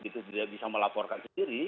itu tidak bisa melaporkan sendiri